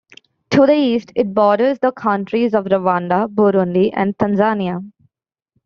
To the east it borders the countries of Rwanda, Burundi, and Tanzania.